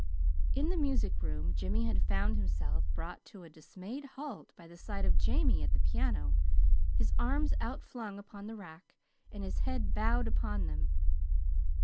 In the music room Jimmy had found himself brought to a dismayed halt by the sight of Jamie at the piano, his arms outflung upon the rack, and his head bowed upon them.